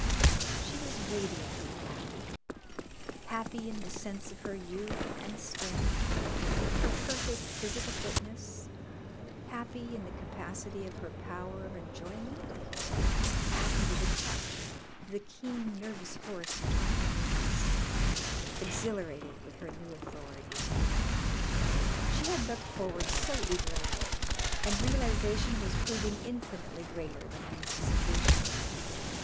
She was radiantly happy happy in the sense of her youth and strength, her perfect physical fitness, happy in the capacity of her power of enjoyment, happy with the touch of the keen, nervous horse between her knees, exhilarated with her new authority. She had looked forward so eagerly, and realisation was proving infinitely greater than anticipation.